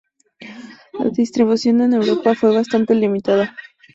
La distribución en Europa fue bastante limitada.